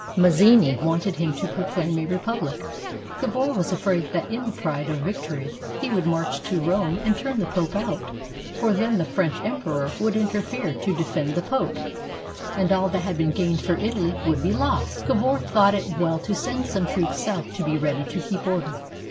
Mazzini wanted him to proclaim a republic. Cavour was afraid that in the pride of victory he would march to Rome and turn the Pope out, for then the French Emperor would interfere to defend the Pope, and all that had been gained for Italy would be lost. Cavour thought it well to send some troops south to be ready to keep order.